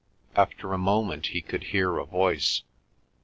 After a moment he could hear a voice.